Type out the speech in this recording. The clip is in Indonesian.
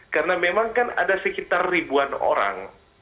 karena memang kan ada sekitar ribuan orang